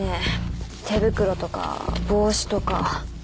手袋とか帽子とか。